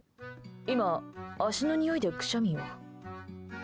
今、足のにおいでくしゃみを。